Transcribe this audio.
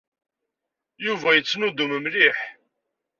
Yuba yettnuddum mliḥ.